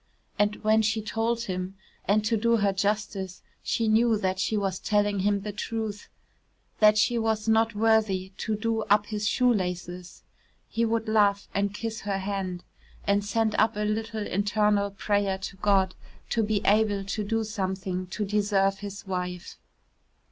And when she told him and to do her justice she knew that she was telling him the truth that she was not worthy to do up his shoe laces he would laugh and kiss her hand and send up a little internal prayer to God to be able to do something to deserve his wife.